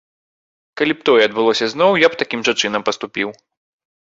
Калі б тое адбылося зноў, я б такім жа чынам паступіў.